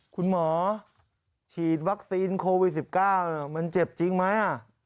คุณหมอฉีดวัคซีนโควิด๑๙มันเจ็บจริงไหม